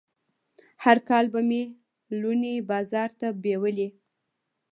هر کال به مې لوڼې بازار ته بوولې.